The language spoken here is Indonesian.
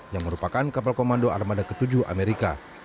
yang merupakan kapal komando armada ke tujuh amerika